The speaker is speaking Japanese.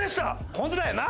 ホントだよな？